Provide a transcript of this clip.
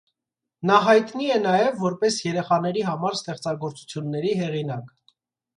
Նա հայտնի է նաև որպես երեխաների համար ստեղծագործությունների հեղինակ։